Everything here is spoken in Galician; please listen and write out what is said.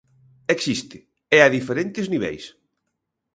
Existe, e a diferentes niveis.